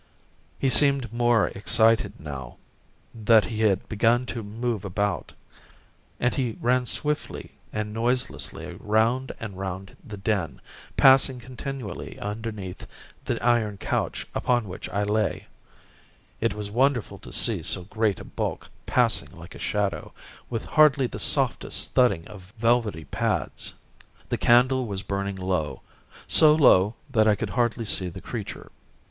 He seemed more excited now that he had begun to move about, and he ran swiftly and noiselessly round and round the den, passing continually underneath the iron couch upon which I lay. It was wonderful to see so great a bulk passing like a shadow, with hardly the softest thudding of velvety pads. The candle was burning low so low that I could hardly see the creature.